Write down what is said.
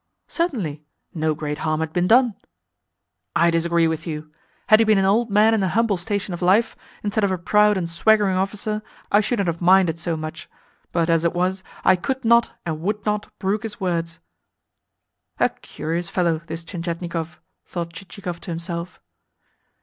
"Certainly. No great harm had been done?" "I disagree with you. Had he been an old man in a humble station of life, instead of a proud and swaggering officer, I should not have minded so much. But, as it was, I could not, and would not, brook his words." "A curious fellow, this Tientietnikov!" thought Chichikov to himself.